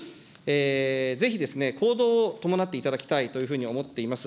ぜひ行動を伴っていただきたいというふうに思っています。